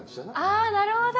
あなるほど。